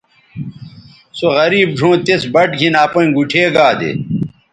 سو غریب ڙھؤں تِس بَٹ گِھن اپیئں گُوٹھے گا دے